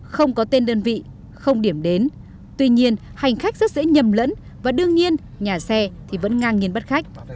không có tên đơn vị không điểm đến tuy nhiên hành khách rất dễ nhầm lẫn và đương nhiên nhà xe thì vẫn ngang nhiên bắt khách